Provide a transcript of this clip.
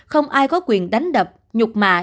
không ai có quyền đánh đập nhục mạ